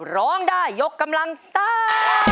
ร้องได้ยกกำลังซ่า